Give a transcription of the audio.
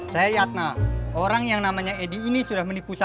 saya lihat nah orang yang namanya edi ini sudah menipu saya